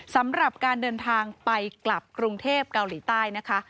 สำหรับการเดินทางไปกลับกรุงเทพเกาหลีใต้นะคะ